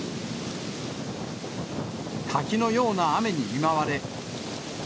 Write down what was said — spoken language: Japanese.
滝のような雨に見舞われ。